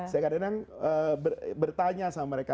saya kadang kadang bertanya sama mereka